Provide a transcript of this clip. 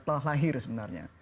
setelah lahir sebenarnya